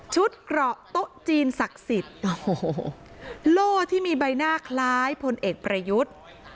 เกราะโต๊ะจีนศักดิ์สิทธิ์โอ้โหโล่ที่มีใบหน้าคล้ายพลเอกประยุทธ์